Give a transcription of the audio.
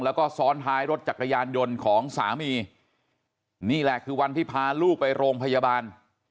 แล้วก็ซ้อนท้ายรถจักรยานยนต์ของสามีนี่แหละคือวันที่พาลูกไปโรงพยาบาล